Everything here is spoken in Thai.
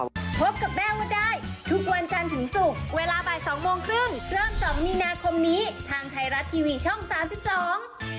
พบกับแม่วันได้ทุกวันจันทร์ถึงศุกร์เวลาบ่ายสองโมงครึ่งเริ่มสองมีนาคมนี้ทางไทยรัฐทีวีช่องสามสิบสอง